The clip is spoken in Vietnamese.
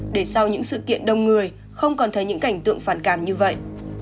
để sau những sự kiện đông người không còn thấy những cảnh tượng phản cảm như vậy